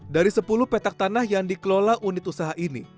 dari sepuluh petak tanah yang dikelola unit usaha ini